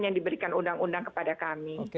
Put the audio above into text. yang diberikan undang undang kepada kami